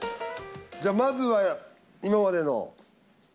じゃあまずは今までの。